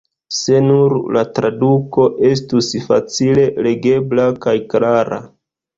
Se nur la traduko estus facile legebla kaj klara.